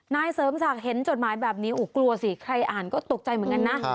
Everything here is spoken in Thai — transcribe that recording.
นายเสริมศักดิ์เห็นจดหมายแบบนี้กลัวสิใครอ่านก็ตกใจเหมือนกันนะ